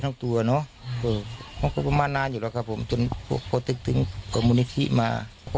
เพราะเห็นเขาก็ยกมืออยู่ตอนลุงฟื้นตัว